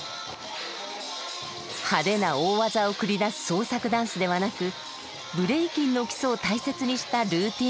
派手な大技を繰り出す創作ダンスではなくブレイキンの基礎を大切にしたルーティーンを見せる。